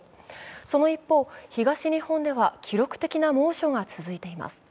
その一方、東日本では記録的な猛暑が続いています。